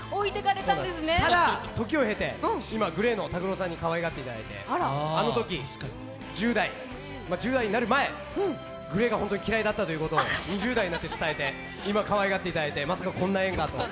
ただ時を経て今、ＧＬＡＹのＴＡＫＵＲＯさんにかわいがっていただいて、あのとき、１０代、１０代になる前ＧＬＡＹが本当に嫌いだったということを２０代になって伝えてかわいがっていただいてまさかこんな縁があるとは。